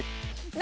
何？